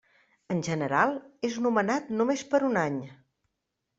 En general, és nomenat només per un any.